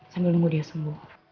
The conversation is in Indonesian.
sambil nunggu dia sembuh